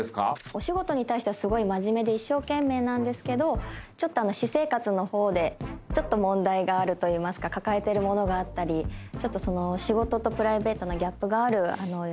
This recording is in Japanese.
お仕事に対してはすごい真面目で一生懸命なんですけど私生活の方でちょっと問題があるといいますか抱えてるものがあったり仕事とプライベートのギャップがある役を演じてます。